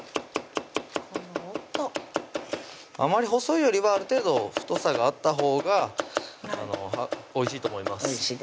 この音あまり細いよりはある程度太さがあったほうがおいしいと思います